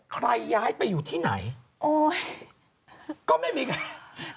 ใครย้ายไปอยู่ที่ไหนก็ไม่มีใคร